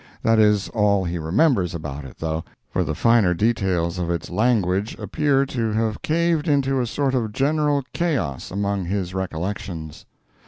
That is all he remembers about it, though, for the finer details of its language appear to have caved into a sort of general chaos among his recollections.